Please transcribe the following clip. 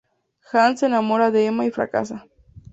Hans se enamora de Emma y fracasa.